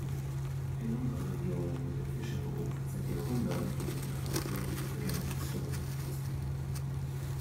In unserer Region wird der Fischerberuf seit Jahrhunderten von Generation zu Generation ausgeübt.